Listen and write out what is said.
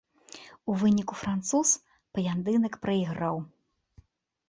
У выніку, француз паядынак прайграў.